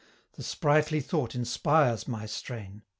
The sprightly thought inspires my strain!